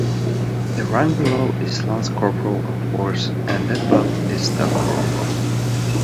The rank below is Lance-corporal of horse and that above is staff corporal.